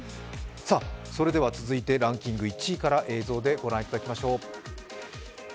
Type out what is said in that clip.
続いてランキング１位から映像でご覧いただきましょう。